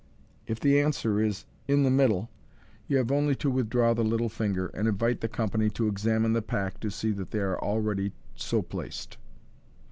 If the answer is, " In the middle," you have only to withdraw the little finger, and invite the company to examine the pack to see that they are already so placed.